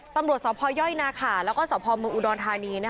ตำรวจสพอย่อยนาขาและสพมรุนอุดรธานี